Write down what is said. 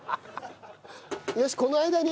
よしこの間に？